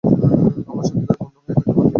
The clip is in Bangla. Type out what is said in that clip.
আমরা সত্যিকারের বন্ধু হয়ে থাকতে পারি না?